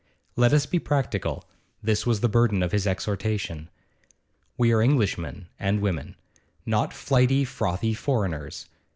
Let us be practical this was the burden of his exhortation. We are Englishmen and women not flighty, frothy foreigners.